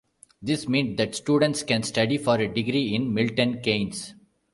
This meant that students can study for a degree in Milton Keynes.